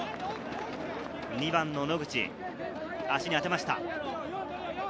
２番の野口、足に当てました。